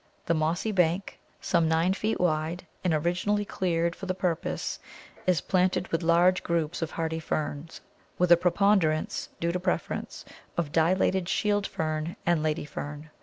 The mossy bank, some nine feet wide, and originally cleared for the purpose, is planted with large groups of hardy Ferns, with a preponderance (due to preference) of Dilated Shield Fern and Lady Fern.